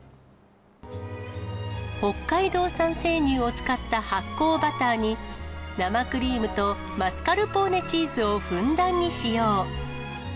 北海道産生乳を使った発酵バターに、生クリームとマスカルポーネチーズをふんだんに使用。